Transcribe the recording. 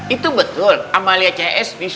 itu betul amalia cs disuruh beli spidol warungnya si lilis